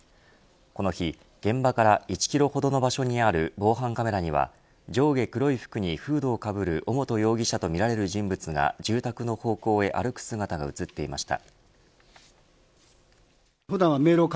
この日、現場から１キロほどの場所にある防犯カメラには上下黒い服にフードをかぶる尾本容疑者とみられる人物が住宅の方向へ歩く姿が映っていました。